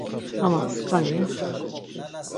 Ama skani...